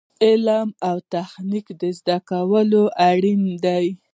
علم او تخنیک زده کول اړین دي